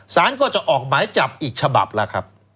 สารก็จะออกหมายจับอีกฉบับแล้วครับ